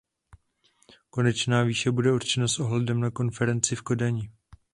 Konečná výše bude určena s ohledem na konferenci v Kodani.